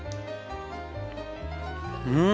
うん！